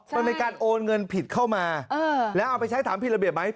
มันเป็นการโอนเงินผิดเข้ามาแล้วเอาไปใช้ถามผิดระเบียบไหม